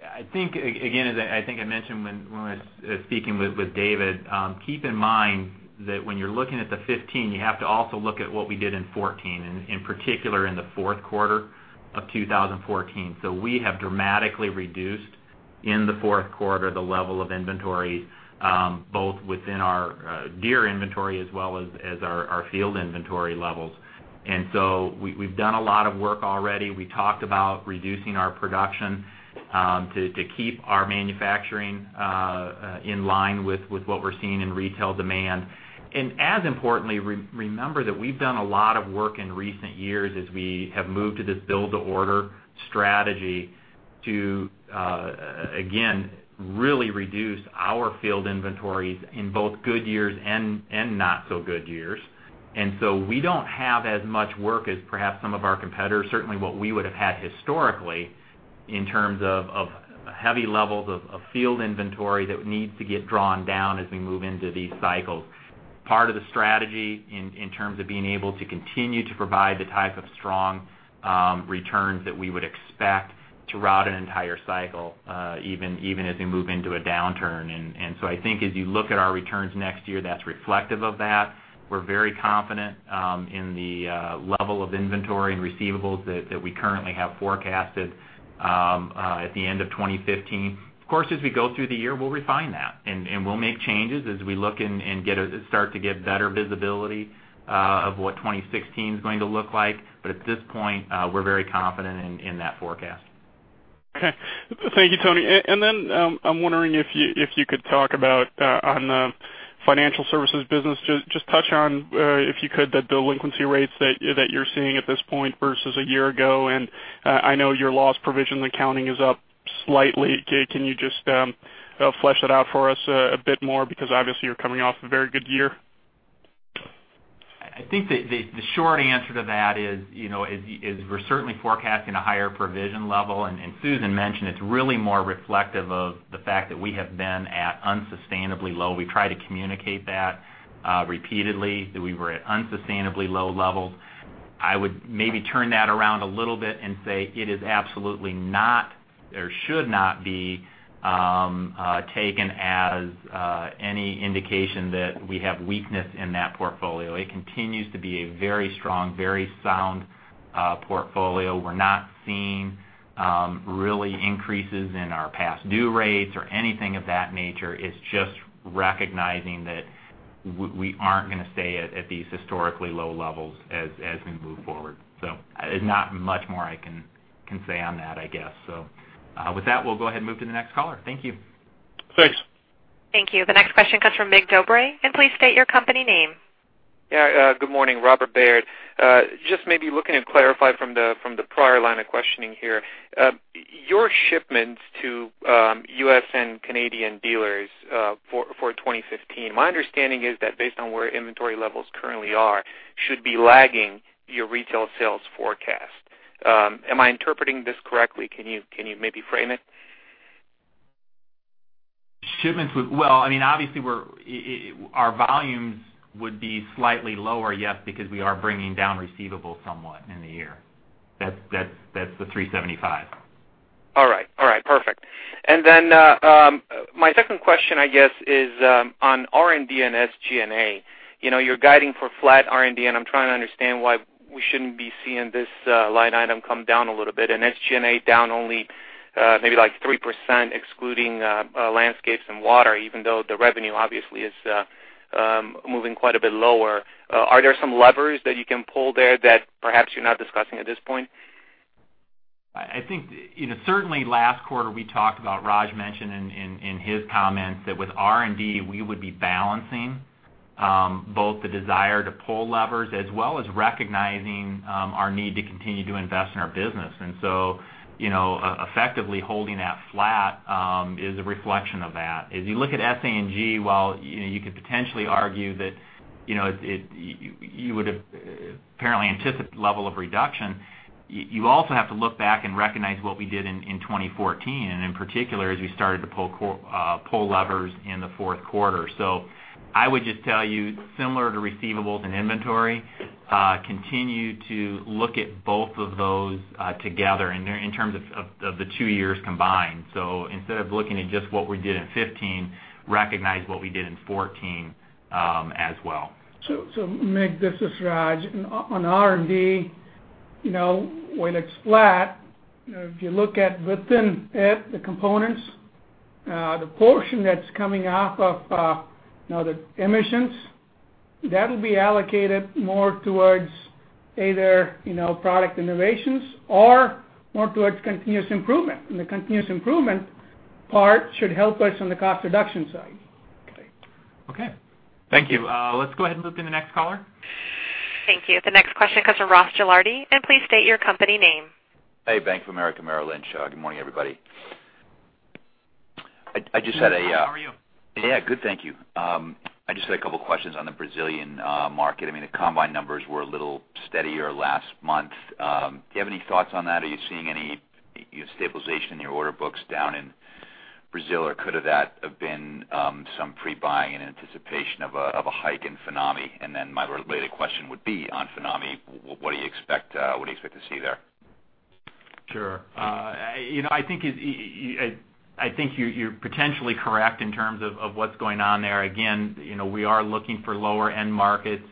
I think, again, as I think I mentioned when I was speaking with David, keep in mind that when you're looking at the 2015, you have to also look at what we did in 2014, and in particular, in the fourth quarter of 2014. We have dramatically reduced in the fourth quarter the level of inventory, both within our Deere inventory as well as our field inventory levels. We've done a lot of work already. We talked about reducing our production to keep our manufacturing in line with what we're seeing in retail demand. As importantly, remember that we've done a lot of work in recent years as we have moved to this build-to-order strategy to again, really reduce our field inventories in both good years and not so good years. We don't have as much work as perhaps some of our competitors, certainly what we would have had historically in terms of heavy levels of field inventory that need to get drawn down as we move into these cycles. Part of the strategy in terms of being able to continue to provide the type of strong returns that we would expect throughout an entire cycle even as we move into a downturn. I think as you look at our returns next year, that's reflective of that. We're very confident in the level of inventory and receivables that we currently have forecasted at the end of 2015. Of course, as we go through the year, we'll refine that, and we'll make changes as we look and start to get better visibility of what 2016's going to look like. At this point, we're very confident in that forecast. Okay. Thank you, Tony. I'm wondering if you could talk about on the financial services business, just touch on, if you could, the delinquency rates that you're seeing at this point versus a year ago. I know your loss provision accounting is up slightly. Can you just flesh that out for us a bit more? Obviously you're coming off a very good year. I think the short answer to that is we're certainly forecasting a higher provision level. Susan mentioned it's really more reflective of the fact that we have been at unsustainably low. We try to communicate that repeatedly, that we were at unsustainably low levels. I would maybe turn that around a little bit and say it is absolutely not or should not be taken as any indication that we have weakness in that portfolio. It continues to be a very strong, very sound portfolio. We're not seeing really increases in our past due rates or anything of that nature. It's just recognizing that we aren't going to stay at these historically low levels as we move forward. There's not much more I can say on that, I guess. With that, we'll go ahead and move to the next caller. Thank you. Thanks. Thank you. The next question comes from Mig Dobre. Please state your company name. Yeah, good morning, Robert W. Baird. Just maybe looking to clarify from the prior line of questioning here. Your shipments to U.S. and Canadian dealers for 2015. My understanding is that based on where inventory levels currently are, should be lagging your retail sales forecast. Am I interpreting this correctly? Can you maybe frame it? Shipments. Well, obviously our volumes would be slightly lower, yes, because we are bringing down receivables somewhat in the year. That's the $375. All right. Perfect. My second question, I guess is on R&D and SG&A. You're guiding for flat R&D, I'm trying to understand why we shouldn't be seeing this line item come down a little bit and SG&A down only maybe 3%, excluding Landscapes and Water, even though the revenue obviously is moving quite a bit lower. Are there some levers that you can pull there that perhaps you're not discussing at this point? I think certainly last quarter we talked about, Raj mentioned in his comments that with R&D, we would be balancing both the desire to pull levers, as well as recognizing our need to continue to invest in our business. Effectively holding that flat is a reflection of that. You look at SA&G, while you could potentially argue that you would have apparently anticipated the level of reduction, you also have to look back and recognize what we did in 2014, and in particular, as we started to pull levers in the fourth quarter. I would just tell you, similar to receivables and inventory, continue to look at both of those together in terms of the two years combined. Instead of looking at just what we did in 2015, recognize what we did in 2014 as well. Mick, this is Raj. On R&D, when it's flat, if you look at within it, the components, the portion that's coming off of the emissions, that will be allocated more towards either product innovations or more towards continuous improvement. The continuous improvement part should help us on the cost reduction side. Okay. Okay. Thank you. Let's go ahead and move to the next caller. Thank you. The next question comes from Ross Gilardi, please state your company name. Hey, Bank of America, Merrill Lynch. Good morning, everybody. How are you? Yeah, good, thank you. I just had a couple questions on the Brazilian market. I mean, the combine numbers were a little steadier last month. Do you have any thoughts on that? Are you seeing any stabilization in your order books down in Brazil? Or could that have been some pre-buying in anticipation of a hike in FINAME? Then my related question would be on FINAME, what do you expect to see there? Sure. I think you're potentially correct in terms of what's going on there. Again, we are looking for lower end markets.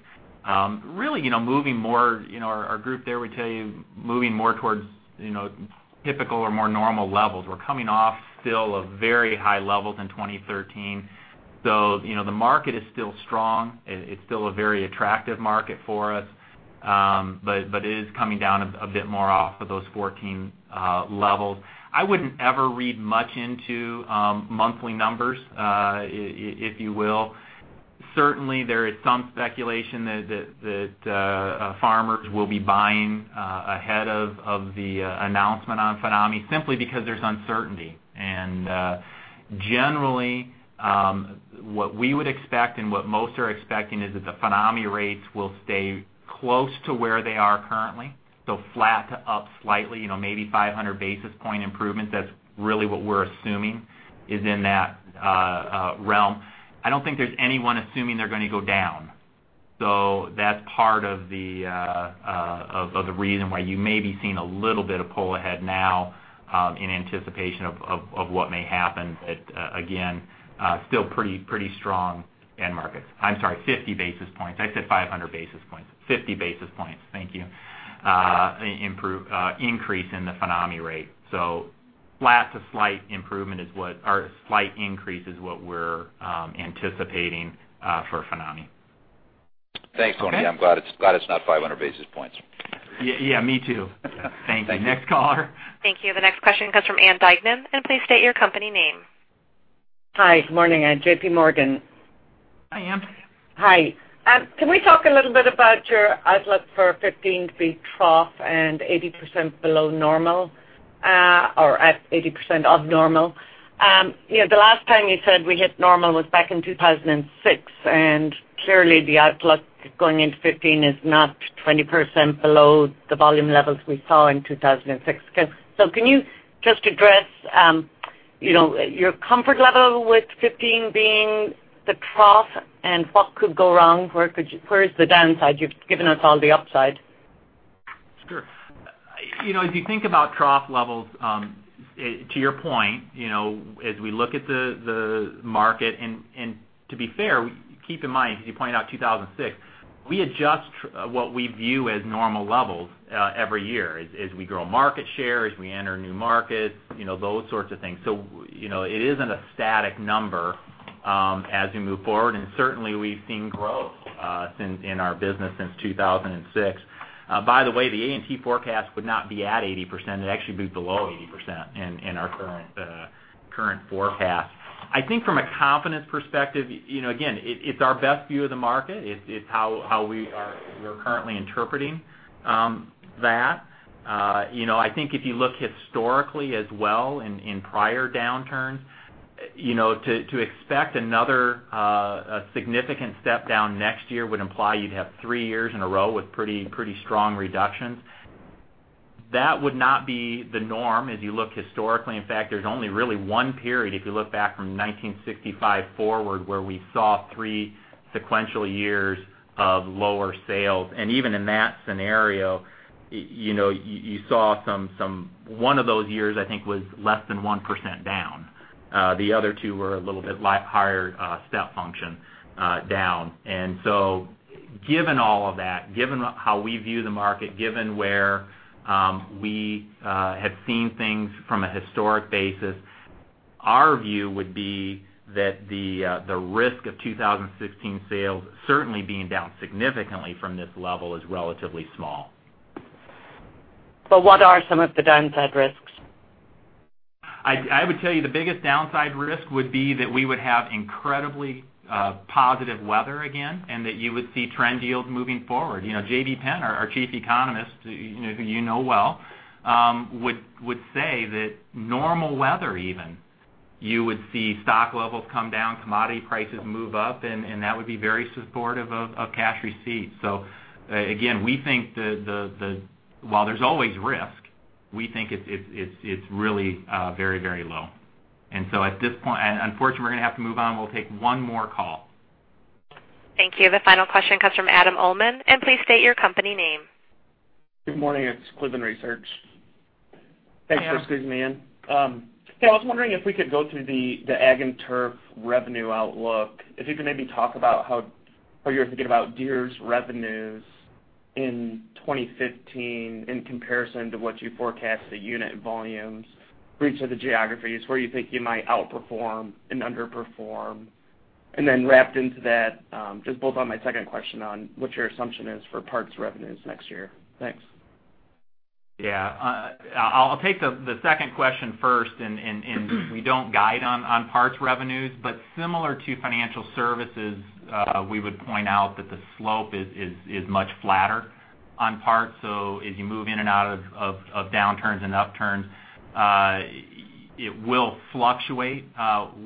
Really, our group there would tell you, moving more towards typical or more normal levels. We're coming off still of very high levels in 2013. The market is still strong. It's still a very attractive market for us. It is coming down a bit more off of those 2014 levels. I wouldn't ever read much into monthly numbers, if you will. Certainly, there is some speculation that farmers will be buying ahead of the announcement on FINAME, simply because there's uncertainty. Generally, what we would expect and what most are expecting is that the FINAME rates will stay close to where they are currently, so flat to up slightly, maybe 500 basis point improvement. That's really what we're assuming is in that realm. I don't think there's anyone assuming they're going to go down. That's part of the reason why you may be seeing a little bit of pull ahead now in anticipation of what may happen. Again, still pretty strong end markets. I'm sorry, 50 basis points. I said 500 basis points. 50 basis points, thank you. Increase in the FINAME rate. Flat to slight increase is what we're anticipating for FINAME. Thanks, Tony. I'm glad it's not 500 basis points. Yeah, me too. Thank you. Next caller. Thank you. The next question comes from Ann Duignan. Please state your company name. Hi. Good morning. JPMorgan. Hi, Ann. Hi. Can we talk a little bit about your outlook for 2015 to be trough and 80% below normal, or at 80% of normal? The last time you said we hit normal was back in 2006, and clearly the outlook going into 2015 is not 20% below the volume levels we saw in 2006. Can you just address your comfort level with 2015 being the trough and what could go wrong? Where is the downside? You've given us all the upside. Sure. If you think about trough levels, to your point, as we look at the market, and to be fair, keep in mind, as you pointed out 2006, we adjust what we view as normal levels every year as we grow market share, as we enter new markets, those sorts of things. It isn't a static number as we move forward. Certainly we've seen growth in our business since 2006. By the way, the A&T forecast would not be at 80%. It'd actually be below 80% in our current forecast. I think from a confidence perspective, again, it's our best view of the market. It's how we're currently interpreting that. I think if you look historically as well in prior downturns, to expect another significant step down next year would imply you'd have three years in a row with pretty strong reductions. That would not be the norm as you look historically. In fact, there's only really one period if you look back from 1965 forward, where we saw three sequential years of lower sales. Even in that scenario, you saw one of those years I think was less than 1% down. The other two were a little bit higher step function down. Given all of that, given how we view the market, given where we have seen things from a historic basis, our view would be that the risk of 2016 sales certainly being down significantly from this level is relatively small. What are some of the downside risks? I would tell you the biggest downside risk would be that we would have incredibly positive weather again, and that you would see trend yields moving forward. J.B. Penn, our Chief Economist, who you know well, would say that normal weather even, you would see stock levels come down, commodity prices move up, and that would be very supportive of cash receipts. Again, while there's always risk, we think it's really very low. Unfortunately, we're going to have to move on. We'll take one more call. Thank you. The final question comes from Adam Uhlman, please state your company name. Good morning. It's Cleveland Research. Thanks for squeezing me in. I was wondering if we could go through the Ag and Turf revenue outlook. If you could maybe talk about how you're thinking about Deere's revenues in 2015 in comparison to what you forecast the unit volumes, regions of the geographies, where you think you might outperform and underperform. Wrapped into that, just build on my second question on what your assumption is for parts revenues next year. Thanks. I'll take the second question first, we don't guide on parts revenues. Similar to financial services, we would point out that the slope is much flatter on parts. If you move in and out of downturns and upturns, it will fluctuate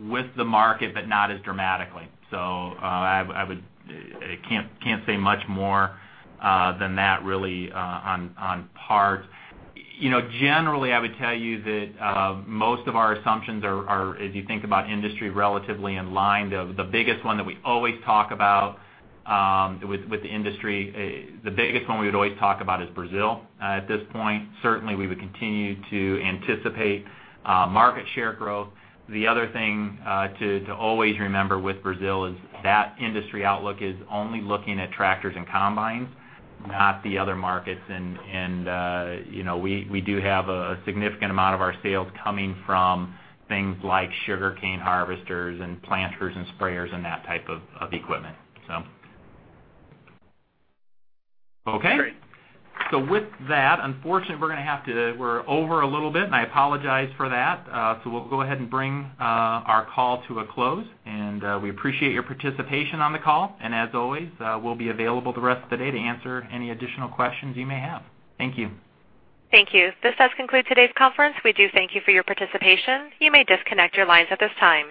with the market, but not as dramatically. I can't say much more than that, really, on parts. Generally, I would tell you that most of our assumptions are, as you think about industry, relatively in line. The biggest one that we always talk about with the industry is Brazil. At this point, certainly we would continue to anticipate market share growth. The other thing to always remember with Brazil is that industry outlook is only looking at tractors and Combines, not the other markets. We do have a significant amount of our sales coming from things like sugarcane harvesters and planters and sprayers and that type of equipment. Great. With that, unfortunately, we're over a little bit, and I apologize for that. We'll go ahead and bring our call to a close. We appreciate your participation on the call. As always, we'll be available the rest of the day to answer any additional questions you may have. Thank you. Thank you. This does conclude today's conference. We do thank you for your participation. You may disconnect your lines at this time.